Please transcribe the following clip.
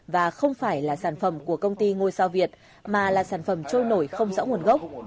và không phải là sản phẩm của công ty ngôi sao việt mà là sản phẩm trôi nổi không rõ nguồn gốc